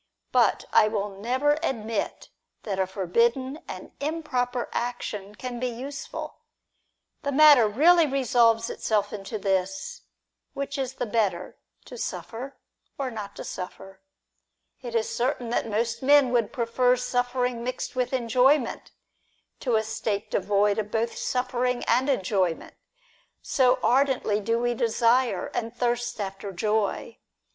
But I will never admit that a forbidden and improper action can be use ful. The matter really resolves itself into this : which is the better, to suffer, or not to suffer ? It is certain that most men would prefer suffering mixed with enjoyment. 192 DIALOGUE BETWEEN to a state devoid of both suffering and enjoyment, so ardently do we desire and thirst after joy.